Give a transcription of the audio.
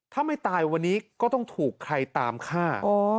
ถ้าไม่ตายวันนี้ก็ต้องถูกใครตามฆ่า